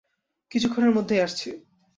কিছুক্ষণের মধ্যেই আসছি।